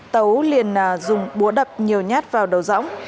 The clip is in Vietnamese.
tấu liền dùng búa đập nhiều nhát vào đầu rỗng